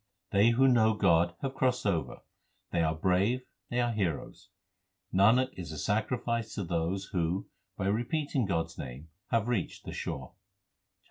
They who know God have crossed over ; they are brave, they are heroes. Nanak is a sacrifice to those who by repeating God s name have reached the shore.